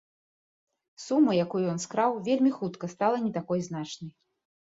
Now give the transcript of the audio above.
Сума, якую ён скраў, вельмі хутка стала не такой значнай.